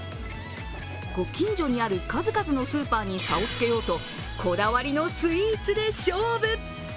ご近所にある数々のスーパーに差をつけようとこだわりのスイーツで勝負。